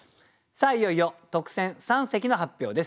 さあいよいよ特選三席の発表です。